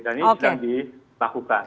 dan ini sudah dilakukan